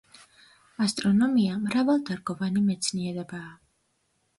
ასტრონომია მრავალდარგოვანი მეცნიერებაა.